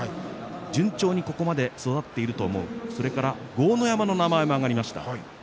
順調にここまで育っているそれから豪ノ山の名前も挙がりました。